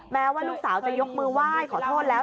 แม้ว่าลูกสาวจะยกมือไหว้ขอโทษแล้ว